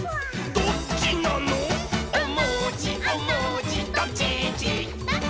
どっちなのー！